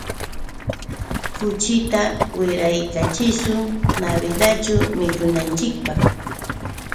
Kuchita wiraykachishun Navidadćhu mikunanchikpaq.